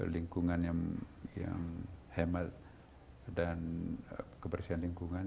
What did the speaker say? lingkungan yang hemat dan kebersihan lingkungan